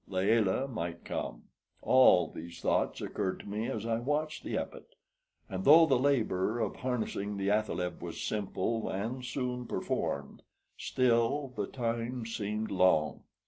Layelah might come. All these thoughts occurred to me as I watched the Epet; and though the labor of harnessing the athaleb was simple and soon performed, still the time seemed long.